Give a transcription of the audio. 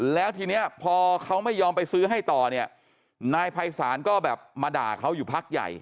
แล้วทีนี้พอเขาไม่ยอมไปซื้อให้ต่อเนี่ยนายภัยศาลก็แบบมาด่าเขาอยู่พักใหญ่